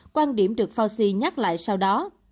quan điểm được fauci nhắc lại sau đó